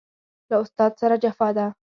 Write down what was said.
له استاد سره جفا ده